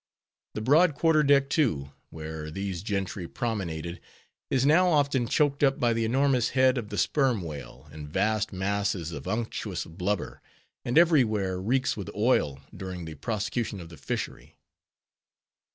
The broad quarter deck, too, where these gentry promenaded, is now often choked up by the enormous head of the sperm whale, and vast masses of unctuous blubber; and every where reeks with oil during the prosecution of the fishery.